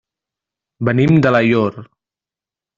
Venim d'Alaior.